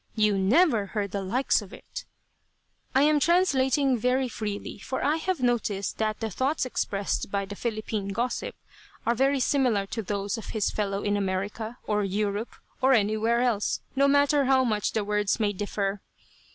"You never heard the likes of it." I am translating very freely, for I have noticed that the thoughts expressed by the Philippine gossip are very similar to those of his fellow in America, or Europe, or anywhere else, no matter how much the words may differ.